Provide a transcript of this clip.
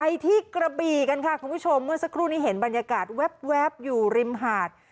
ที่กระบีกันค่ะคุณผู้ชมเมื่อสักครู่นี้เห็นบรรยากาศแว๊บอยู่ริมหาด